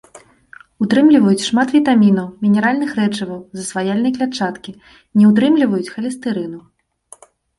Утрымліваюць шмат вітамінаў, мінеральных рэчываў, засваяльнай клятчаткі, не ўтрымліваюць халестэрыну.